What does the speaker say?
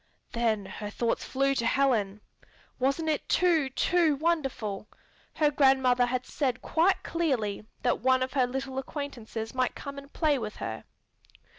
Then her thoughts flew to Helen. Wasn't it too, too wonderful? Her grandmother had said quite clearly that one of her little acquaintances might come and play with her.